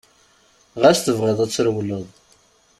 Ɣas tebɣiḍ ad trewleḍ.